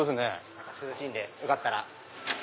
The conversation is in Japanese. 中涼しいんでよかったら。